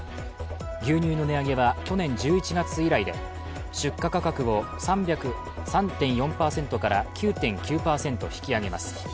牛乳の値上げは去年１１月以来で、出荷価格を３．４％から９．９％引き上げます。